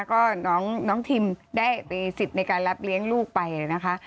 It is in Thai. ก็น้องทิมได้มีสิทธิ์ในการรับเลี้ยงลูกไปนะคะ